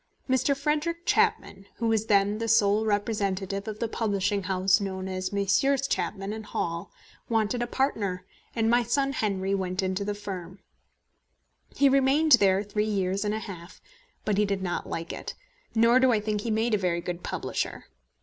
Mr. Frederic Chapman, who was then the sole representative of the publishing house known as Messrs. Chapman & Hall, wanted a partner, and my son Henry went into the firm. He remained there three years and a half; but he did not like it, nor do I think he made a very good publisher.